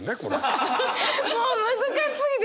もう難しすぎて！